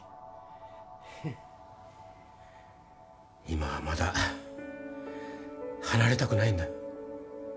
今はまだ離れたくないんだ。